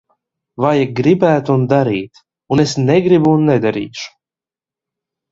Vajag gribēt un darīt. Un es negribu un nedarīšu.